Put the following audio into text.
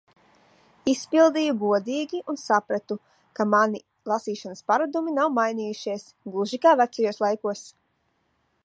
Izpildīju godīgi un sapratu, ka mani lasīšanas paradumi nav mainījušies. Gluži kā vecajos laikos.